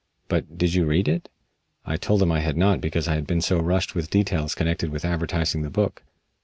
"But did you read it?" I told him I had not because I had been so rushed with details connected with advertising the book.